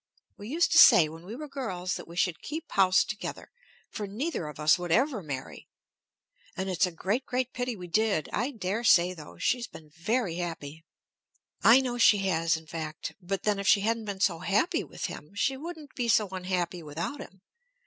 "We used to say, when we were girls, that we should keep house together, for neither of us would ever marry. And it's a great, great pity we did! I dare say, though, she's been very happy. I know she has, in fact. But then if she hadn't been so happy with him, she wouldn't be so unhappy without him.